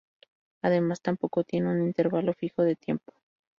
Además, tampoco tiene un intervalo fijo de tiempo.